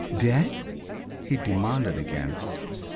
"Dead?" he demanded again.